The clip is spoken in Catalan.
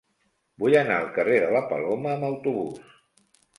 Vull anar al carrer de la Paloma amb autobús.